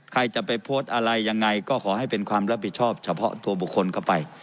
ใครจะไปโพสต์อะไรยังไงก็ขอให้เป็นความรับผิดชอบเฉพาะตัวบุคคลเข้าไป